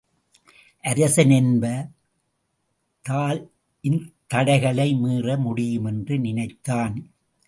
அரசன் என்ப– தால் இந்தத்தடைகளை மீற முடியும் என்று நினைத்தான்.